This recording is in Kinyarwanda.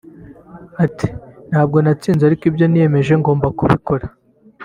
Ati “Ntabwo natsinze ariko ibyo niyemeje ngomba kubikora